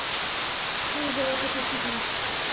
心臓摘出します。